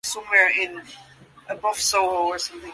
Adults can be found from June to October.